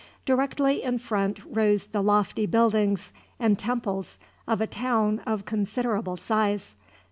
Directly in front rose the lofty buildings and temples of a town of considerable size.